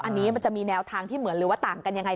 อันนี้มันจะมีแนวทางที่เหมือนหรือว่าต่างกันยังไง